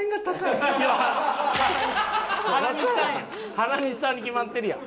原西さんに決まってるやん。